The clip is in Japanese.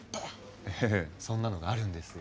ええそんなのがあるんですよ。